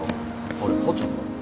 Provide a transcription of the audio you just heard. あれ母ちゃんは？